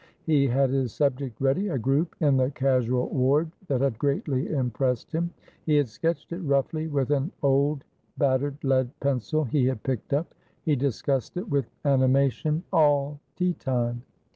He had his subject ready. A group in the casual ward that had greatly impressed him. He had sketched it roughly with an old, battered lead pencil he had picked up. He discussed it with animation all tea time.